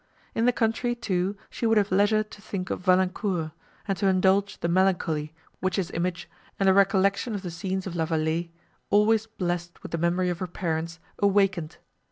In the country, too, she would have leisure to think of Valancourt, and to indulge the melancholy, which his image, and a recollection of the scenes of La Vallée, always blessed with the memory of her parents, awakened.